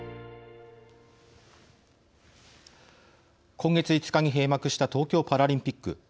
今月５日に閉幕した東京パラリンピック。